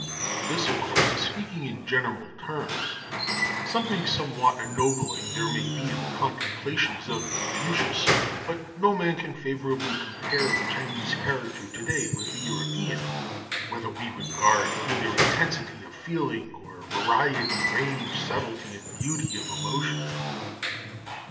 This, of course, is speaking in general terms. Something somewhat ennobling there may be in the contemplations of Confucius; but no man can favorably compare the Chinese character to day with the European, whether we regard either intensity of feeling, or variety, range, subtlety, and beauty of emotion.